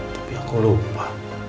tapi aku lupa